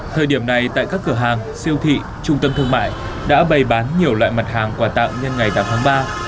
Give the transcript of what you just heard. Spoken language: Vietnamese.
thời điểm này tại các cửa hàng siêu thị trung tâm thương mại đã bày bán nhiều loại mặt hàng quà tặng nhân ngày tám tháng ba